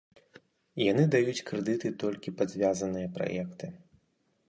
Яны даюць крэдыты толькі пад звязаныя праекты.